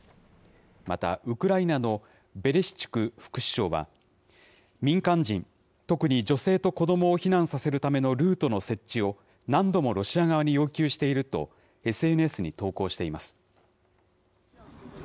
また、ウクライナのベレシチュク副首相は、民間人、特に女性と子どもを避難させるためのルートの設置を、何度もロシア側に要求していると、ＳＮＳに投稿しています。